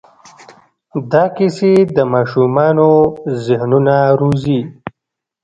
دا کیسې د ماشومانو ذهنونه روزي.